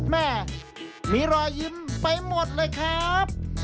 แม่มีรอยยิ้มไปหมดเลยครับ